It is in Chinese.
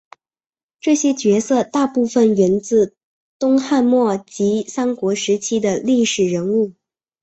这些角色大部份源自东汉末及三国时期的历史人物。